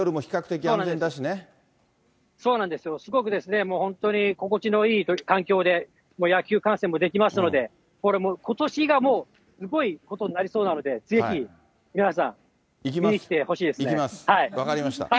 そうなんですよ、すごく本当に心地のいい環境で野球観戦もできますので、これもう、ことしがもう、すごいことになりそうなので、ぜひ宮根さん、行きます、分かりました。